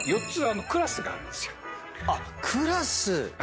あっクラス。